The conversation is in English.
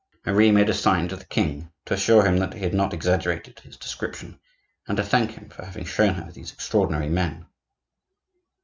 Marie made a sign to the king to assure him that he had not exaggerated his description, and to thank him for having shown her these extraordinary men.